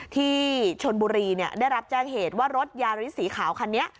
ที่ชนบุรีได้รับแจ้งเหตุว่ารถยาริสสีขาวคันนี้